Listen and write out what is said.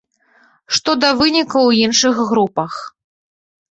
Што да вынікаў у іншых групах.